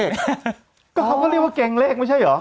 เขาก็เรียกว่าเกรงเลขไม่ใช่เหรอ